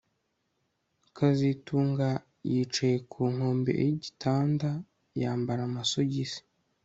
kazitunga yicaye ku nkombe yigitanda yambara amasogisi